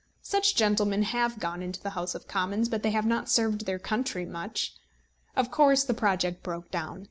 Such gentlemen have gone into the House of Commons, but they have not served their country much. Of course the project broke down.